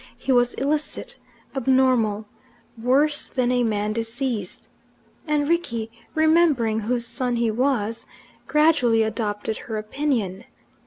He was illicit, abnormal, worse than a man diseased. And Rickie remembering whose son he was, gradually adopted her opinion.